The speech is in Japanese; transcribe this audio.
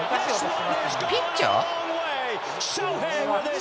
ピッチャー？